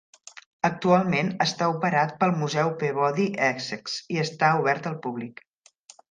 Actualment està operat pel museu Peabody Essex i està obert al públic.